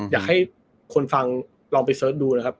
อยากให้คนฟังลองไปเสิร์ชดูนะครับ